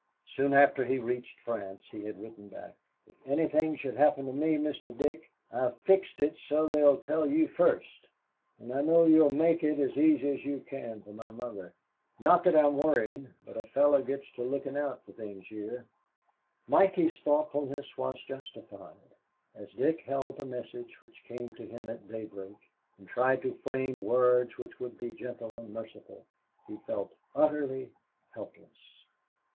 Soon after he reached France he had written back, "If anything should happen to me, Mr. Dick, I've fixed it so they'd tell you first, and I know you'll make it as easy as you can for my mother. Not that I'm worrying, but a fellow gets to looking out for things here." Mikey's thoughtfulness was justified. As Dick held the message which came to him at daybreak and tried to frame words which would be gentle and merciful, he felt utterly helpless.